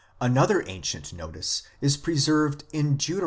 Another ancient notice is preserved in Deut.